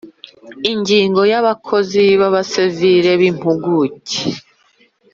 Ingingo ya abakozi b abasivili b impuguke